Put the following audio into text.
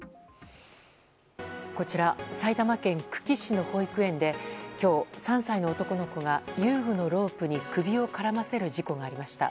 こちら埼玉県久喜市の保育園で今日、３歳の男の子が遊具のロープに首を絡ませる事故がありました。